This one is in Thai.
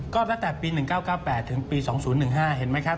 ก็ตั้งแต่ปี๑๙๙๘ถึงปี๒๐๑๕เห็นไหมครับ